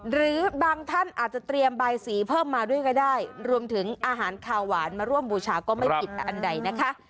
หรือบางท่านอาจจะเตรียมใบสีเพิ่มมาด้วยก็ได้รวมถึงอาหารขาวหวานมาร่วมบูชาก็ไม่ผิดแต่อันใดนะคะ